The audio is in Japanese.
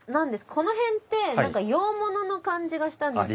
このへんってなんか洋物の感じがしたんですけど。